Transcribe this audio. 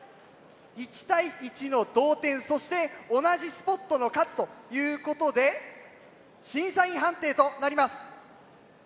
１対１の同点そして同じスポットの数ということで審査員判定となります。